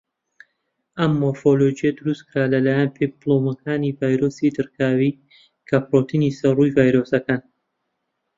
ئەم مۆرفۆلۆجیە دروستکرا لەلایەن پێپلۆمەکانی ڤایرۆسی دڕکاوی، کە پڕۆتینی سەر ڕووی ڤایرۆسەکەن.